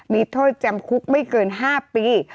มีโทษจำคุกไม่เกิน๕ปี